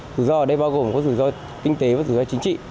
rủi ro ở đây bao gồm có rủi ro kinh tế và rủi ro chính trị